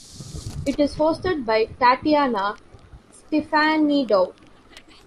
It is hosted by Tatiana Stefanidou.